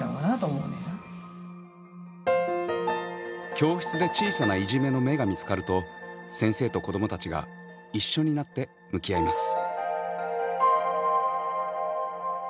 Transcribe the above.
教室で小さないじめの芽が見つかると先生と子どもたちが一緒になって向き合います。